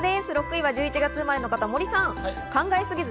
６位は１１月生まれの方、森さん。